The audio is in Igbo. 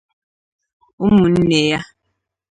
ụmụnne ya